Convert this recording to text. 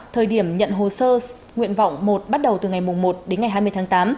thời điểm nhận hồ sơ nguyện vọng một bắt đầu từ ngày một đến ngày hai mươi tháng tám